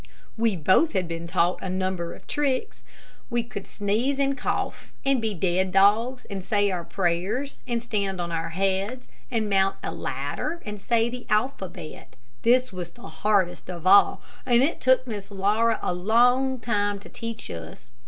We both had been taught a number of tricks. We could sneeze and cough, and be dead dogs, and say our prayers, and stand on our heads, and mount a ladder and say the alphabet, this was the hardest of all, and it took Miss Laura a long time to teach us.